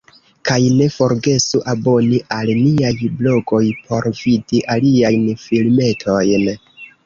Kaj ne forgesu aboni al niaj blogoj por vidi aliajn filmetojn!